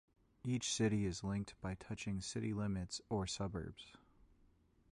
Each city is linked by touching city limits or suburbs.